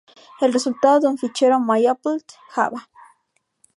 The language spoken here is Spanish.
El resultado es un fichero MiApplet.java.